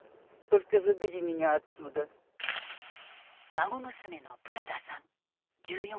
孫娘のブラダさん１４歳。